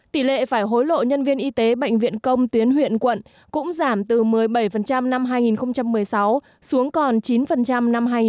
tỷ lệ phải hối lộ nhân viên y tế bệnh viện công tuyến huyện quận cũng giảm từ một mươi bảy năm hai nghìn một mươi sáu xuống còn chín năm hai nghìn một mươi bảy